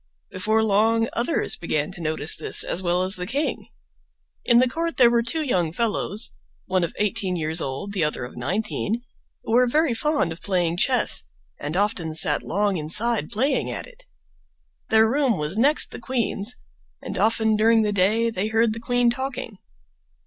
Before long others began to notice this as well as the king. In the court there were two young fellows, one of eighteen years old, the other of nineteen, who were very fond of playing chess and often sat long inside playing at it. Their room was next the queen's, and often during the day they heard the queen talking.